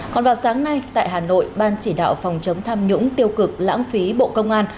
còn vào sáng nay tại hà nội ban chỉ đạo phòng chống tham nhũng tiêu cực lãng phí bộ công an